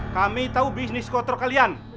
kami tahu bisnis kotor kalian